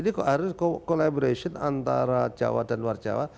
ini harus collaboration antara jawa dan luar jawa